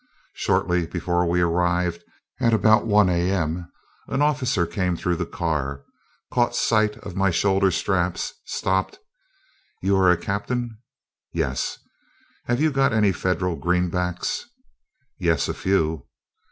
Shortly before we arrived, at about 1 A.M., an officer came through the car, caught sight of my shoulder straps, stopped: "You are a captain?" "Yes." "Have you got any federal greenbacks?" "Yes, a few."